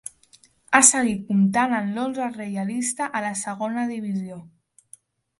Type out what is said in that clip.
Ha seguit comptant en l'onze reialista a la Segona Divisió.